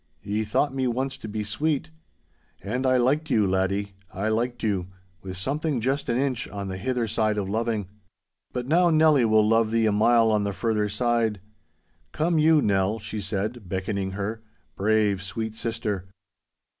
Ye thought me once to be sweet. And I liked you, laddie, I liked you—with something just an inch on the hither side of loving. But now Nelly will love thee a mile on the further side. Come you, Nell,' she said, beckoning her, 'brave, sweet sister!